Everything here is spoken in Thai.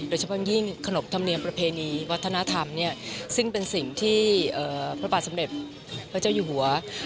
โดยเฉพาะยิ่งขนบธรรมเนียมประเพณีวัฒนธรรมซึ่งเป็นสิ่งที่พระบาทสมเด็จพระเจ้าอยู่หัว